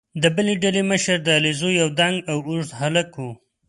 د بلې ډلې مشر د علیزو یو دنګ او اوږد هلک وو.